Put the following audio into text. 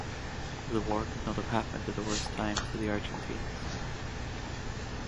The war could not have happened at a worse time for the Argentines.